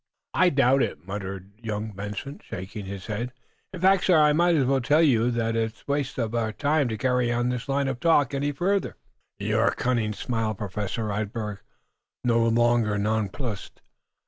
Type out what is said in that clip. "I doubt it," muttered young Benson, shaking his head. "In fact, sir, I may as well tell you that it's waste of our time to carry this line of talk any further." "Ach! You are cunning," smiled Professor Radberg, no longer nonplussed.